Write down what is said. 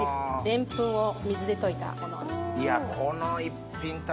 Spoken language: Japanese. でんぷんを水で溶いたもの。